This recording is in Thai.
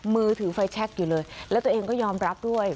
มือถือไฟแชคอยู่เลยแล้วตัวเองก็ยอมรับด้วย